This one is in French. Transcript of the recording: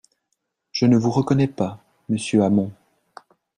Je ne vous reconnais pas, monsieur Hamon